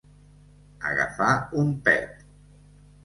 Agafar un pet.